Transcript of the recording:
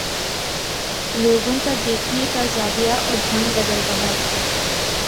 لوگوں کا دیکھنے کا زاویہ اور ڈھنگ بدل رہا ہے۔